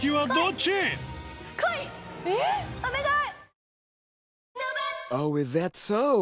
お願い！